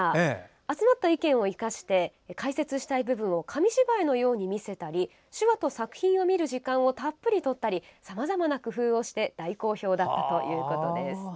集まった意見を生かして紙芝居のように見せたり手話と作品を見る時間をたっぷりととったりさまざまな工夫をして大好評だったということです。